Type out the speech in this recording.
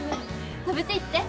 食べていって！